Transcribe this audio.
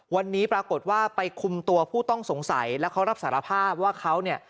วันนี้ปรากฏว่าไปคุมตัวผู้ต้องสงสัยแล้วเขารับสารภาพว่าเขาเนี่ย